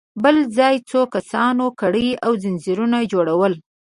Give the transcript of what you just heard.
بل ځای څو کسانو کړۍ او ځنځيرونه جوړل.